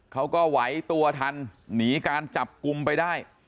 เขาก็ไหวตัวทันหนีการจับกลุ่มไปได้